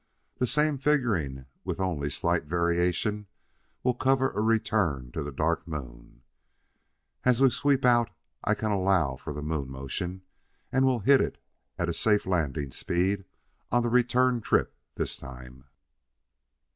The same figuring with only slight variation will cover a return to the Dark Moon. As we sweep out I can allow for the moon motion, and we'll hit it at a safe landing speed on the return trip this time."